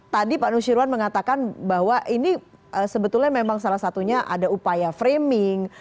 tadi pak nusirwan mengatakan bahwa ini sebetulnya memang salah satunya ada upaya framing